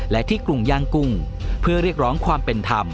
และที่กรุงย่างกุ้งเพื่อเรียกร้องความเป็นธรรม